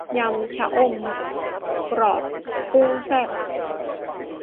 ยำชะอมกรอบกุ้งแซ่บ